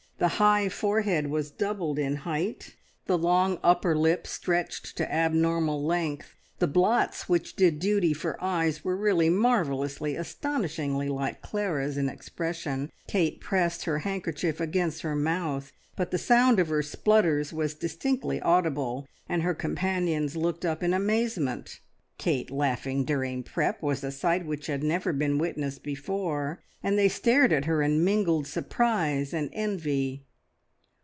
The high forehead was doubled in height, the long upper lip stretched to abnormal length, the blots which did duty for eyes were really marvellously, astonishingly like Clara's in expression! Kate pressed her handkerchief against her mouth, but the sound of her splutters was distinctly audible, and her companions looked up in amazement. Kate laughing during prep was a sight which had never been witnessed before, and they stared at her in mingled surprise and envy.